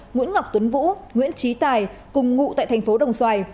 nguyễn ngọc tuấn vũ nguyễn trí tài cùng ngụ tại thành phố đồng xoài